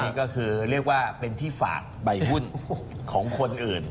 นี่ก็คือเรียกว่าเป็นที่ฝากใบหุ้นของคนอื่น